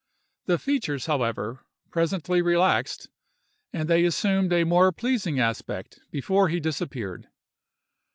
The features, however, presently relaxed, and they assumed a more pleasing aspect before he disappeared.